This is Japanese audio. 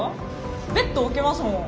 ベッド置けますもん。